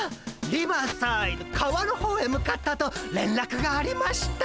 リバーサイド川の方へ向かったとれんらくがありました。